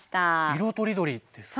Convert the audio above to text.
色とりどりですね。